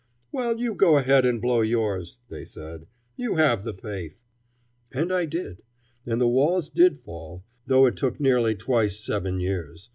"Well, you go ahead and blow yours," they said; "you have the faith." And I did, and the walls did fall, though it took nearly twice seven years.